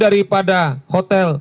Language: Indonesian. dan juga kepada pemerintah indonesia